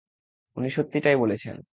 উনি সত্যিটাই বলেছেন।